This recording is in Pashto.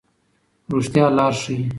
رښتیا لار ښيي.